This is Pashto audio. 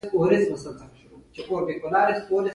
یو فلمي ستوری ښار ته ورشي.